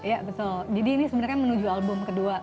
ya betul jadi ini sebenarnya menuju album kedua